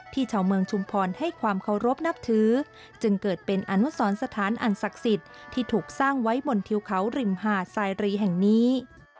ชาวเมืองชุมพรให้ความเคารพนับถือจึงเกิดเป็นอนุสรสถานอันศักดิ์สิทธิ์ที่ถูกสร้างไว้บนทิวเขาริมหาดสายรีแห่งนี้